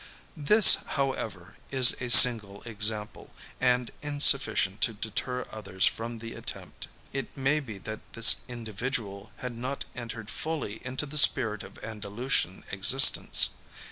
This, however, is a single example, and insufficient to deter others from the attempt. It may be that this individual had not entered fully into the spirit of Andalucian existence.